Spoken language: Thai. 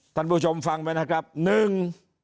ท่านผู้ชมฟังไหมนะครับหนึ่ง